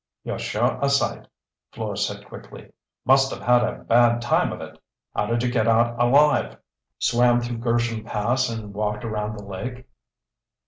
"You're sure a sight," Fleur said quickly. "Must have had a bad time of it. How did you get out alive?" "Swam through Gersham Pass and walked around the lake."